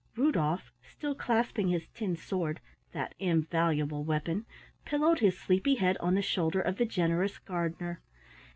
Rudolf, still clasping his tin sword that invaluable weapon pillowed his sleepy head on the shoulder of the Generous Gardener.